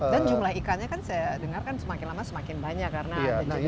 dan jumlah ikannya kan saya dengar kan semakin lama semakin banyak karena ada juga